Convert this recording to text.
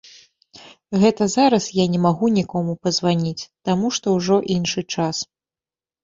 Гэта зараз я не магу нікому пазваніць, таму што ўжо іншы час.